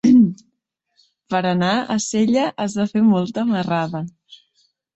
Per anar a Sella has de fer molta marrada.